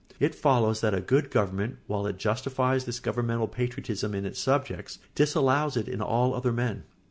It follows that a good government, while it justifies this governmental patriotism in its subjects, disallows it in all other men.